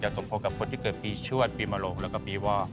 จะสมพงษ์กับคนที่เกิดปีชวดปีมรงค์แล้วก็ปีวอร์